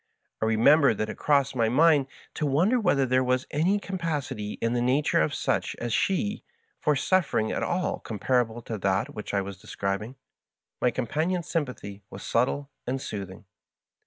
I re member that it crossed my mind to wonder whether there was any capacity in the nature of such as she for suffering at all comparable to that which I was describ ing. My companion's sympathy was subtle and soothing.